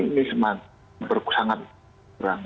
ini semakin berkurang